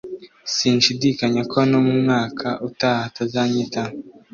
sinshidikanya ko no mu mwaka utaha atazanyitaho